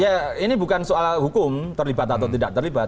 ya ini bukan soal hukum terlibat atau tidak terlibat